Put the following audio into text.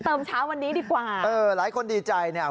เช้าวันนี้ดีกว่าเออหลายคนดีใจเนี่ย